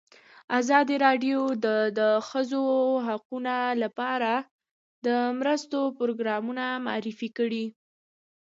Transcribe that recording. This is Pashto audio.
ازادي راډیو د د ښځو حقونه لپاره د مرستو پروګرامونه معرفي کړي.